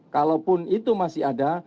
kalaupun itu masih ada